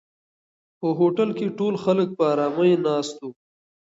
په هوټل کې ټول خلک په آرامۍ ناست وو.